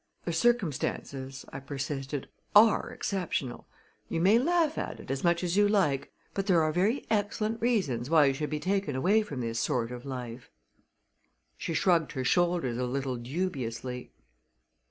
"The circumstances," I persisted, "are exceptional. You may laugh at it as much as you like; but there are very excellent reasons why you should be taken away from this sort of life." She shrugged her shoulders a little dubiously.